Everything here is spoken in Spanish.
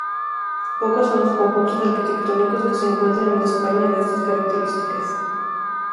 Pocos son los conjuntos arquitectónicos que se encuentran en España de estas características.